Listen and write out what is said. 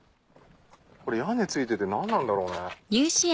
これ屋根付いてて何なんだろうね？